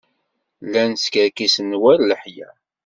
Llan skerkisen war leḥya.